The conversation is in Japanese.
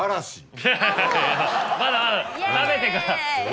まだまだ食べてから。